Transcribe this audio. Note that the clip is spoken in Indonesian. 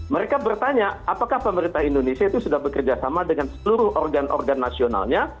mereka bertanya apakah pemerintah indonesia itu sudah bekerjasama dengan seluruh organ organ nasionalnya